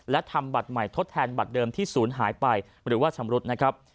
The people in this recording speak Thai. และทำบัตรใหม่ทดแทนบัตรเดิมที่ศูนย์หายไปหรือว่าชำรุดนะครับ